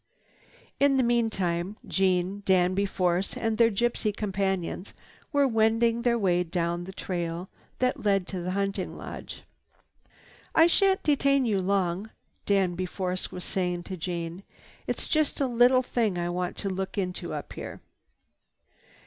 In the meantime Jeanne, Danby Force and their gypsy companions were wending their way down the trail that led to the hunting lodge. "I shan't detain you long," Danby Force was saying to Jeanne. "It's just a little thing I want to look into up here."